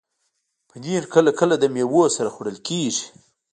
پنېر کله کله له میوو سره خوړل کېږي.